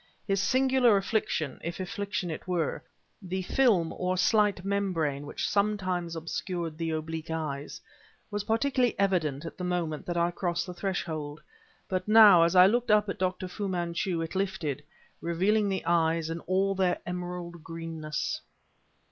His singular affliction (if affliction it were), the film or slight membrane which sometimes obscured the oblique eyes, was particularly evident at the moment that I crossed the threshold, but now, as I looked up at Dr. Fu Manchu, it lifted revealing the eyes in all their emerald greenness.